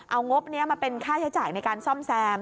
เอางบนี้มาเป็นค่าใช้จ่ายในการซ่อมแซม